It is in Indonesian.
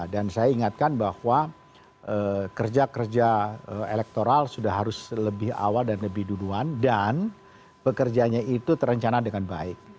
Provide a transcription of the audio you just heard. dan saya ingatkan bahwa kerja kerja elektoral sudah harus lebih awal dan lebih duluan dan pekerjanya itu terencana dengan baik